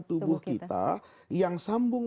tubuh kita yang sambung